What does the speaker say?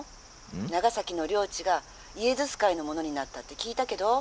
長崎の領地がイエズス会のものになったって聞いたけど？」。